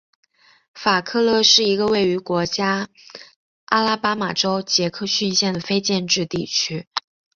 法克勒是一个位于美国阿拉巴马州杰克逊县的非建制地区。